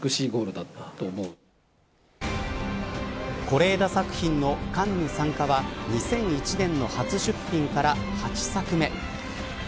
是枝作品のカンヌ参加は２００１年の初出品から８作目。